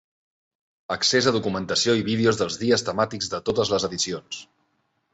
Accés a documentació i vídeos dels dies temàtics de totes les edicions.